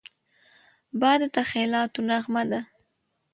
باد د تخیلاتو نغمه ده